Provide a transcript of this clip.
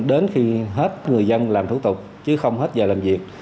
đến khi hết người dân làm thủ tục chứ không hết giờ làm việc